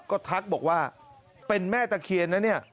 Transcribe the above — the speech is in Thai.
ก็ทักบอกว่าเป็นแม่ตะเคียนนะเนี่ย